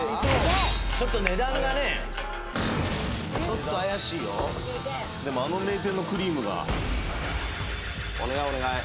ちょっと値段がねちょっと怪しいよでもあの名店のクリームがお願いお願い